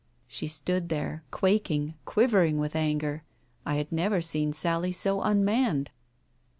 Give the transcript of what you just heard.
..." She stood there, quaking, quivering with anger. I had never seen Sally so unmanned.